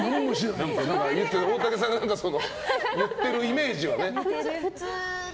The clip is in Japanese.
大竹さんが、そういうふうに言ってるイメージをね。